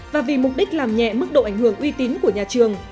và vì mục đích làm nhẹ mức độ ảnh hưởng uy tín của nhà trường